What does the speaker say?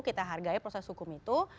kita hargai proses hukum itu